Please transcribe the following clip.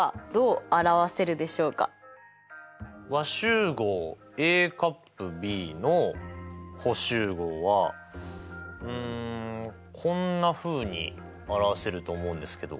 和集合Ａ∪Ｂの補集合はうんこんなふうに表せると思うんですけど。